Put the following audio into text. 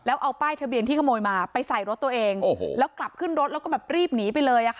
แล้วเอาป้ายทะเบียนที่ขโมยมาไปใส่รถตัวเองโอ้โหแล้วกลับขึ้นรถแล้วก็แบบรีบหนีไปเลยอ่ะค่ะ